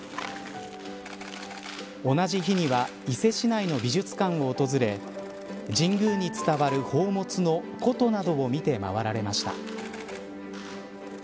同じ日には伊勢市内の美術館を訪れ神宮に伝わる宝物の琴などを見て回られました。